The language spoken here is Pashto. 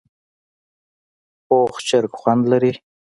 پوخ چرګ خوند لري